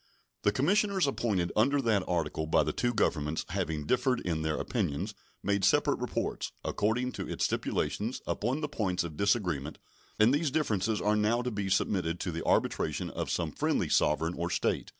The commissioners appointed under that article by the two Governments having differed in their opinions, made separate reports, according to its stipulations, upon the points of disagreement, and these differences are now to be submitted to the arbitration of some friendly sovereign or state.